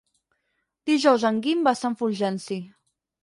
Dijous en Guim va a Sant Fulgenci.